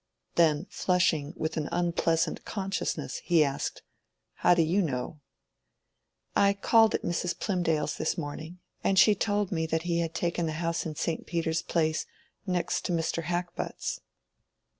Then flushing with an unpleasant consciousness, he asked— "How do you know?" "I called at Mrs. Plymdale's this morning, and she told me that he had taken the house in St. Peter's Place, next to Mr. Hackbutt's."